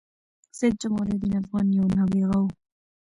سيدجمال الدين افغان یو نابغه وه